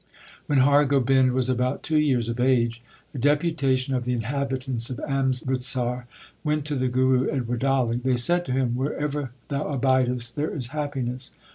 When Har Gobind was about two years of age a deputation of the inhabitants of Amritsar went to the Guru at Wadali. They said to him, Wherever thou abidest there is happiness.